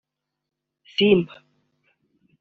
Simba